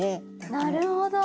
なるほど。